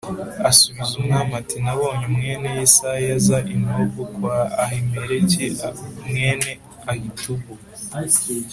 asubiza umwami ati “Nabonye mwene Yesayi aza i Nobu kwa Ahimeleki mwene Ahitubu.